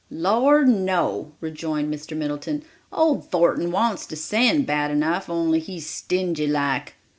"Lord, no," rejoined Mr. Middleton; "old Thornton wants to send bad enough, only he's stingy like.